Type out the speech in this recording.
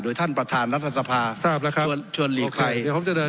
ท่านประธานรัฐสภาทราบแล้วครับชวนชวนหลีกใครเดี๋ยวผมจะเดิน